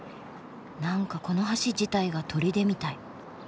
なんかこの橋自体が砦みたい。